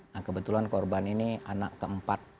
nah kebetulan korban ini anak keempat